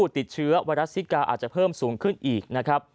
ยอดผู้ติดเชื้อไวรัสซิกาอาจจะเพิ่มสูงขึ้นอีก